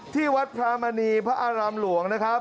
ที่วัดพระมณีพระอารามหลวงนะครับ